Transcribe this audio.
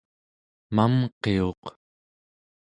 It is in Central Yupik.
mamqiuq